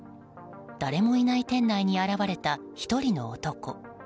誰もいない店内に現れた１人の男。